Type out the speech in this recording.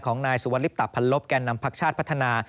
นายสุวรรลิปตะพันลบแก่นำพักชาติพัฒนา